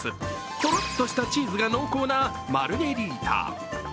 とろっとしたチーズが濃厚なマルゲリータ。